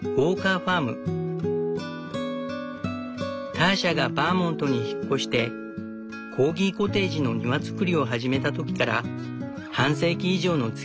ターシャがバーモントに引っ越してコーギコテージの庭造りを始めた時から半世紀以上のつきあいになる。